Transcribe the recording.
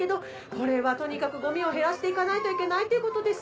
これはとにかくゴミを減らして行かないといけないということです